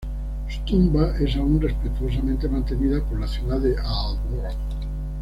Su tumba es aún respetuosamente mantenida por la ciudad de Aalborg.